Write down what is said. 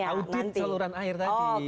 audit saluran air tadi